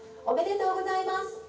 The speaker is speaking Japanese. おめでとうございます。